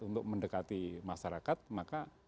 untuk mendekati masyarakat maka